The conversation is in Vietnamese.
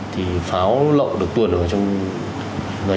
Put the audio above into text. thì pháo lộn được tuần ở trong